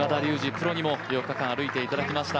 プロにも４日間歩いていただきました。